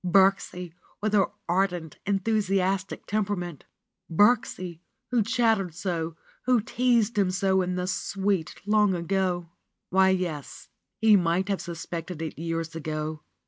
Birksie, with her ardent, enthusiastic tempera ment ! Birksie, who chattered so, who teased him so in the sweet long ago ! Why, yes, he might have suspected it years ago.